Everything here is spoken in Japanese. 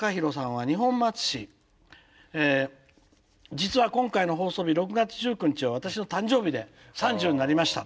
「実は今回の放送日６月１９日は私の誕生日で３０になりました。